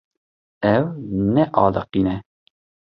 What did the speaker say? Ew nealiqîne.